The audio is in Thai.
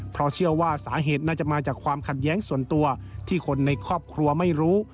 เพราะเชื่อว่าสาเหตุน่าจะมาจากความขัดแย้งส่วนตัวที่คนในครอบครัวไม่รู้